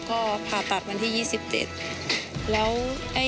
มีความรู้สึกว่า